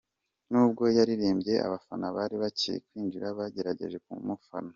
Nubwo yaririmbye abafana bakiri kwinjira bagerageje kumufana